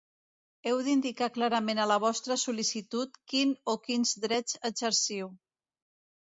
Heu d'indicar clarament a la vostra sol·licitud quin o quins drets exerciu.